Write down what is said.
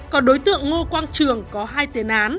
còn đối tượng ngô quang trường có hai tiền án